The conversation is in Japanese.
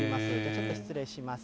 ちょっと失礼します。